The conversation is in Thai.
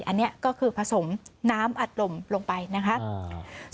อันนี้ก็คือผสมน้ำอัดลมลงไปนะครับ